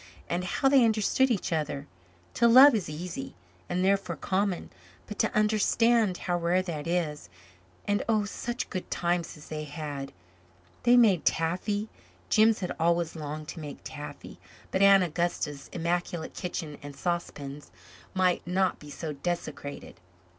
And how they understood each other! To love is easy, and therefore common; but to understand how rare that is! And oh! such good times as they had! They made taffy. Jims had always longed to make taffy, but Aunt Augusta's immaculate kitchen and saucepans might not be so desecrated.